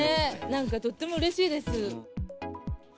なんか、とってもうれしいです。